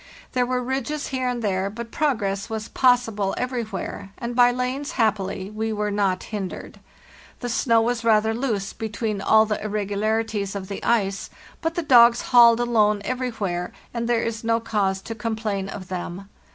There were ridges here and there, but progress was possible every where, and by lanes, happily, we were not hindered. The snow was rather loose between all the irregularities of the ice; but the dogs hauled alone everywhere, and there is no cause to complain of them.